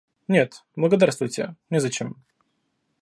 Нет, благодарствуйте, незачем.